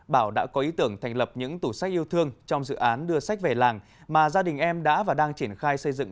bảo đã có ý tưởng thành lập những tủ sách yêu thương trong dự án đưa sách về làng mà gia đình em đã và đang triển khai xây dựng